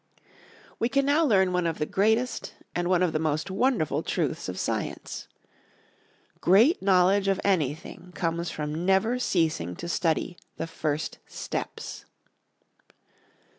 We can now learn one of the greatest and one of the most wonderful truths of science: _Great knowledge of anything comes from never ceasing to study the first steps.